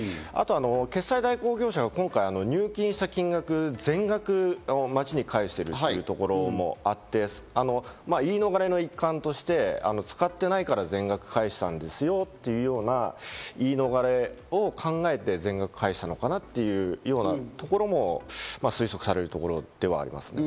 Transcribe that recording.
決済代行業者が全額、町に返しているということもあって、言い逃れの一環として使ってないから全額返したんですよというような言い逃れを考えて全額返したのかなというようなところも推測されるところではありますね。